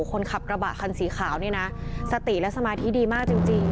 คนขับกระบะคันสีขาวนี่นะสติและสมาธิดีมากจริง